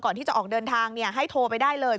ก่อนที่จะออกเดินทางให้โทรไปได้เลย